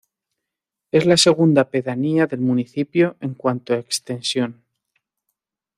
Es la segunda pedanía del municipio en cuanto a extensión.